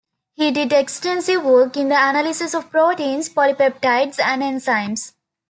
He did extensive work in the analysis of proteins, polypeptides, and enzymes.